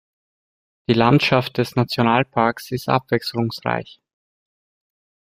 Die Landschaft des Nationalparks ist abwechslungsreich.